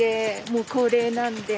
もう高齢なんで。